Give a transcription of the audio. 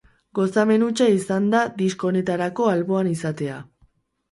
Gozamen hutsa izan da disko honetarako alboan izatea.